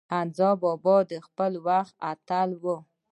حمزه بابا د خپل وخت اتل و.